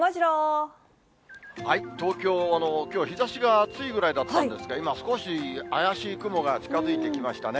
東京、きょうは日ざしが暑いぐらいだったんですが、今、少し怪しい雲が近づいてきましたね。